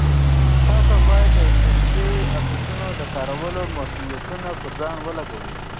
تاسو باید د انټرنیټي ایپسونو د کارولو محدودیتونه په ځان ولګوئ.